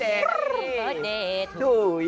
แฮปปี้เบอร์เดต